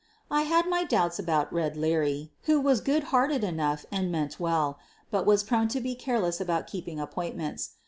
I had my doubts about "Red" Leary, who was good hearted enough and meant well, but was prone to be careless about keeping appointments.